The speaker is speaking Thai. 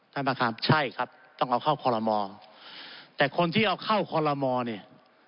ใช่ไหมครับใช่ครับต้องเอาเข้าคอลโลมอร์แต่คนที่เอาเข้าคอลโลมอร์เนี่ย